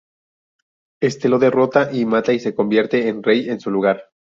Éste lo derrota y mata y se convierte en rey en su lugar.